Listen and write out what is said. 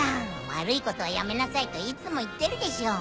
悪いことはやめなさいといつも言ってるでしょう。